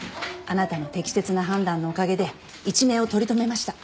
あなたの適切な判断のおかげで一命を取り留めました。